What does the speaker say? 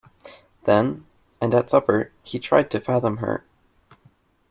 Then, and at supper, he tried to fathom her.